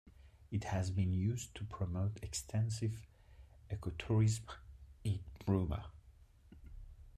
It has been used to promote extensive ecotourism in Burma.